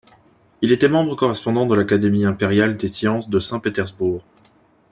Il était membre-correspondant de l'Académie impériale des sciences de Saint-Pétersbourg.